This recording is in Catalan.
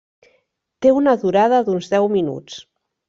Té una durada d'uns deu minuts.